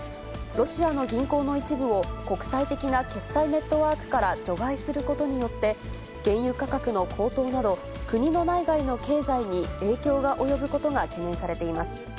ロシアの銀行の一部を国際的な決済ネットワークから除外することによって、原油価格の高騰など、国の内外の経済に影響が及ぶことが懸念されています。